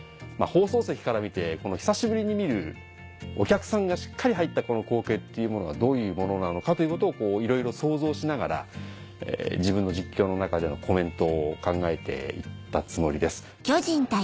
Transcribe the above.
放送席から見てこの久しぶりに見るお客さんがしっかり入ったこの光景っていうものはどういうものなのかということをいろいろ想像しながら自分の実況の中でのコメントを考えて行ったつもりです。